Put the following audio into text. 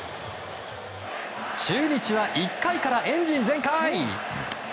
中日は１回からエンジン全開。